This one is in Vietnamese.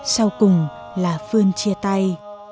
sau cùng là phương chia thân